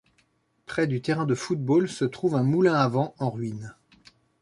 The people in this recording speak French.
Près du terrain de football se trouve un moulin à vent en ruine.